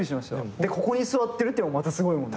でここに座ってるっていうのもまたすごいもんね。